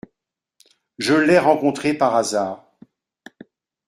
Je l'ai rencontré par hasard …